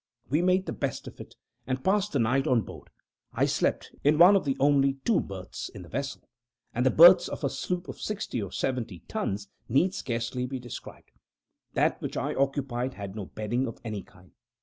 We made the best of it, and passed the night on board. I slept in one of the only two berths in the vessel and the berths of a sloop of sixty or twenty tons need scarcely be described. That which I occupied had no bedding of any kind.